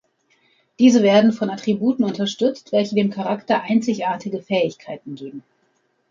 Diese werden von Attributen unterstützt, welche dem Charakter einzigartige Fähigkeiten geben.